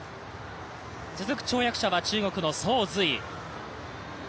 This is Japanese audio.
続く跳躍者は中国の曾蕊。